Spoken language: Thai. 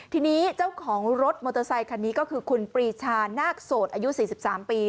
ทีนี้เจ้าของรถมอเตอร์ไซคันนี้ก็คือคุณปรีชานาคโสดอายุ๔๓ปี